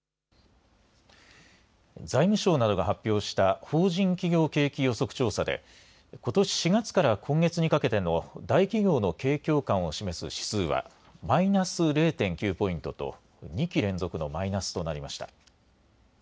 財務省などが発表した法人企業景気予測調査でことし４月から今月にかけての大企業の景況感を示す指数はマイナス０．９ポイントと２期連続のマイナスとなりました。